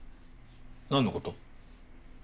何のこと？